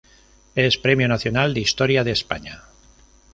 Es Premio Nacional de Historia de España.